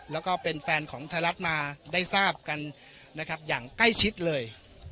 แล้วก็เป็นแฟนของไทยรัฐมาได้ทราบกันนะครับอย่างใกล้ชิดเลย